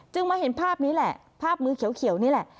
มาเห็นภาพนี้แหละภาพมือเขียวนี่แหละ